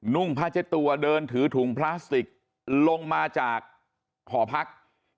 ่งผ้าเช็ดตัวเดินถือถุงพลาสติกลงมาจากหอพัก